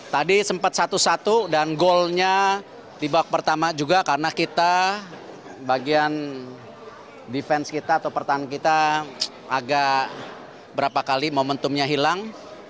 tadi sempat satu satu dan goalnya di babak pertama juga karena kita bagian defense kita atau pertahanan kita agak berapa kali momentumnya hilang